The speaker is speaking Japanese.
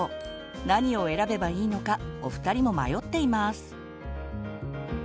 何を選べばいいのかお二人も迷っています。